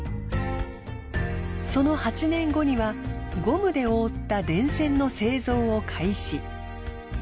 その８年後にはゴムで覆った電線の製造を開始。